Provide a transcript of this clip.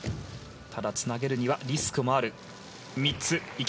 ただ、つなげるにはリスクもある。